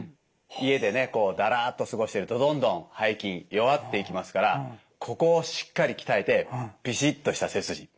家でねこうだらっと過ごしてるとどんどん背筋弱っていきますからここをしっかり鍛えてビシッとした背筋。